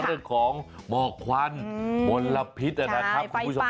เรื่องของบอกควันบนละพิษอะไรนะครับคุณผู้ชมครับ